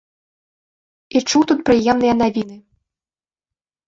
І чуў тут прыемныя навіны.